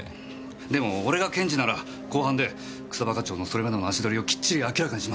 でも俺が検事なら公判で草葉課長のそれまでの足取りをきっちり明らかにしますよ。